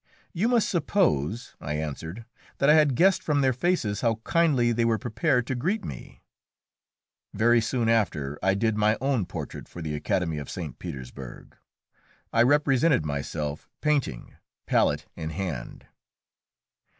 "You must suppose," I answered, "that I had guessed from their faces how kindly they were prepared to greet me." Very soon after I did my own portrait for the Academy of St. Petersburg. I represented myself painting, palette in hand.